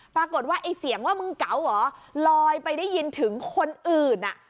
ปรากฏว่าไอ้เสียงว่ามึงเก๋าเหรอลอยไปได้ยินถึงคนอื่นอ่ะ